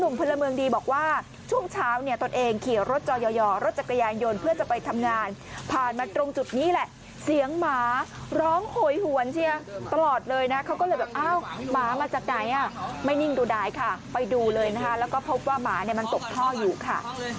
พลเมืองดีบอกว่าช่วงเช้าเนี่ยตนเองขี่รถจอย่อรถจักรยานยนต์เพื่อจะไปทำงานผ่านมาตรงจุดนี้แหละเสียงหมาร้องโหยหวนเชียตลอดเลยนะเขาก็เลยแบบอ้าวหมามาจากไหนอ่ะไม่นิ่งดูดายค่ะไปดูเลยนะคะแล้วก็พบว่าหมาเนี่ยมันตกท่ออยู่ค่ะ